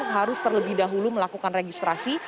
harus terlebih dahulu melakukan registrasi